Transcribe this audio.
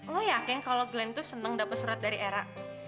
lo yakin kalau glenn tuh seneng dapet surat dari era